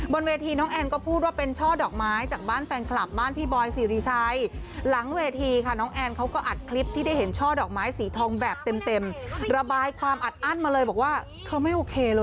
บนเวทีน้องแอร์ก็พูดว่าเป็นช่อดอกไม้